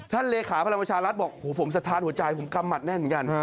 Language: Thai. ท่านเลขาพระมชารัฐบอกผมสะทานหัวใจผมกำหมัดแน่นกัน